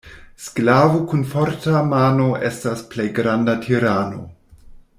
Sklavo kun forta mano estas plej granda tirano.